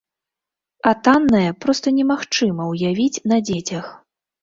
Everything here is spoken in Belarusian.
А таннае проста немагчыма ўявіць на дзецях.